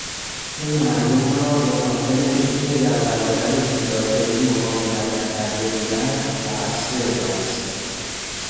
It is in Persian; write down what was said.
او مردم را به خاطر اینکه در برابر بیدادگری مقاومت نکرده بودند، مقصر دانست.